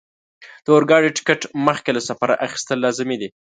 د اورګاډي ټکټ مخکې له سفره اخیستل لازمي دي.